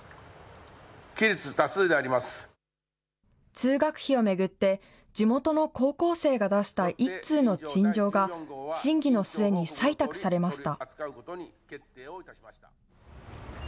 通学費を巡って、地元の高校生が出した１通の陳情が、審議の末に採択されました。